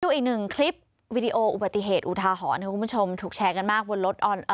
อีกหนึ่งคลิปวิดีโออุบัติเหตุอุทาหรณ์คุณผู้ชมถูกแชร์กันมากบนรถออน